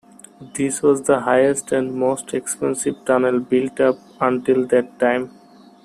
This was the highest and most expensive tunnel built up until that time.